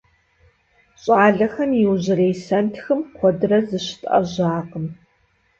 ЩIалэхэм иужьрей сэнтхым куэдрэ зыщытIэжьакъым.